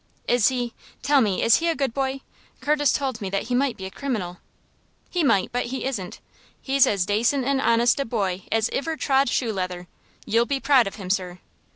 "Is he tell me, is he a good boy? Curtis told me that he might be a criminal." "He might, but he isn't. He's as dacent and honest a boy as iver trod shoe leather. You'll be proud of him, sir."